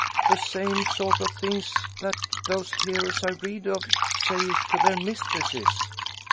"The same sort of things that those heroes I read of say to their mistresses."